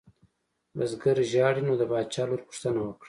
بزګر ژاړي نو د باچا لور پوښتنه وکړه.